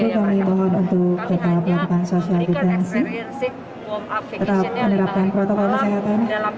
kepada ibu kami bantu